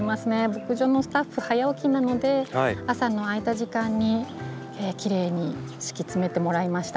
牧場のスタッフ早起きなので朝の空いた時間にきれいに敷き詰めてもらいました。